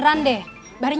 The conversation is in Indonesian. ya udah tuh kayak begini